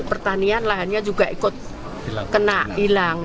pertanian lahannya juga ikut kena hilang